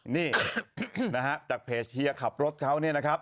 นี่นะฮะจากเพจเฮียขับรถเขาเนี่ยนะครับ